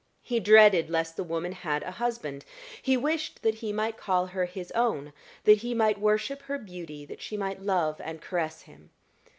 He dreaded lest the woman had a husband; he wished that he might call her his own, that he might worship her beauty, that she might love and caress him.